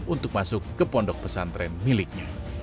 untuk masuk ke pondok pesantren miliknya